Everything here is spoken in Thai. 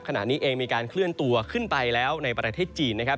ขณะนี้เองมีการเคลื่อนตัวขึ้นไปแล้วในประเทศจีนนะครับ